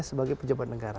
sebagai pejabat negara